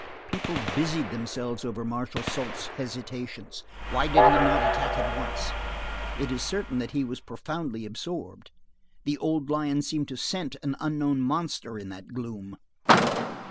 People busied themselves over Marshal Soult's hesitations. Why did not he attack at once? It is certain that he was profoundly absorbed. The old lion seemed to scent an unknown monster in that gloom.